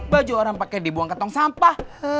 baju orang pakai dibuang ke tong sampah